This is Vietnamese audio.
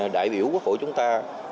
đại biểu quốc hội chúng ta